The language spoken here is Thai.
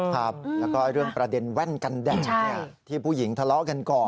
ครับแล้วก็เรื่องประเด็นแว่นกันแดดที่ผู้หญิงทะเลาะกันก่อน